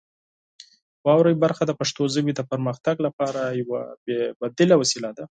واورئ برخه د پښتو ژبې د پرمختګ لپاره یوه بې بدیله وسیله ده.